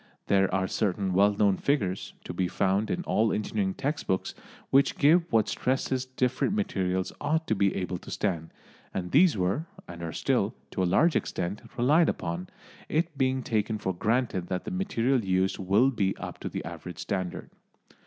There are certain well known figures, to be found in all engineering text books, which give what stresses different materials ought to be able to stand, and these were, and are still, to a large extent, relied upon, it being taken for granted that the material used will be up to the average standard.